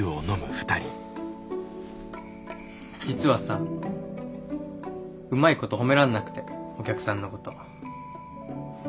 実はさうまいこと褒めらんなくてお客さんのこと。